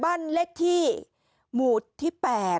บ้านเลขที่หมู่ที่๘